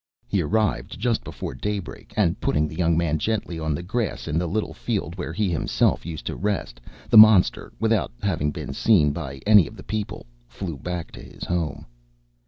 He arrived just before daybreak, and putting the young man gently on the grass in the little field where he himself used to rest, the monster, without having been seen by any of the people, flew back to his home.